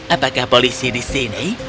apakah polisi di sini